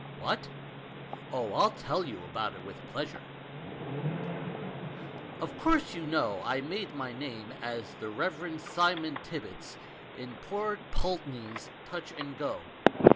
What? Oh, I'll tell you about it with pleasure! "Of course, you know I made my name as the 'Rev. Simon Tibbits' in poor Pulteney's Touch and Go.